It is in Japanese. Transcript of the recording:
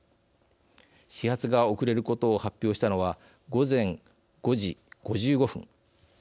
始発が遅れることを発表したのは午前５時５５分。